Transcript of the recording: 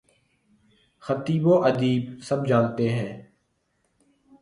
خطیب و ادیب سب جانتے ہیں۔